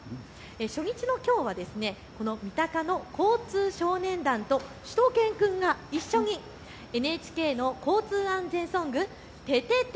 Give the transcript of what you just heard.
初日のきょうはこの三鷹の交通少年団としゅと犬くんが一緒にＮＨＫの交通安全ソングててて！